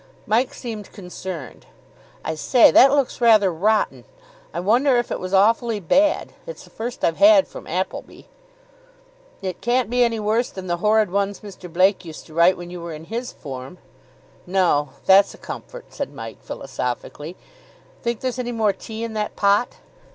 Mike seemed concerned. "I say, that looks rather rotten! I wonder if it was awfully bad. It's the first I've had from Appleby." "It can't be any worse than the horrid ones Mr. Blake used to write when you were in his form." "No, that's a comfort," said Mike philosophically. "Think there's any more tea in that pot?"